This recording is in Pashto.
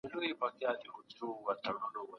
که ډیجیټل کتاب وي نو هیله نه ختمیږي.